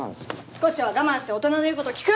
少しは我慢して大人の言うこと聞く！